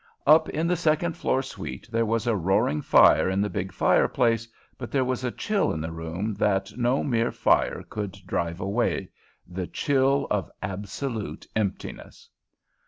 Up in the second floor suite there was a roaring fire in the big fireplace, but there was a chill in the room that no mere fire could drive away—the chill of absolute emptiness.